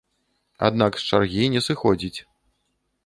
Аднак з чаргі не сыходзіць.